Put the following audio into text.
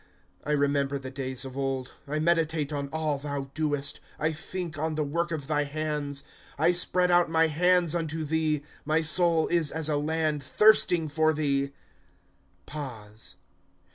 * I remember the days of old ; I meditate on all thou doest, I think on the work of thy hands. * I spread out my hands unto thee ; My soul is as a land thirsting for thee.